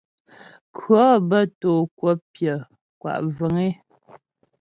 Kʉɔ̌ bə́ tǒ kwəp pyə̌ kwa' vəŋ é.